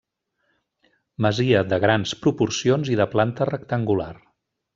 Masia de grans proporcions i de planta rectangular.